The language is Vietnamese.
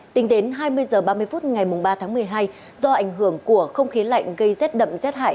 tính đến hai mươi h ba mươi phút ngày ba tháng một mươi hai do ảnh hưởng của không khí lạnh gây rét đậm rét hại